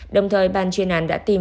đồng thời ban chuyên án đã tìm